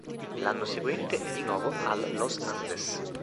L'anno seguente è di nuovo al Los Andes.